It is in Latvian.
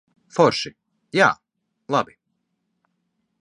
Forši. Jā, labi.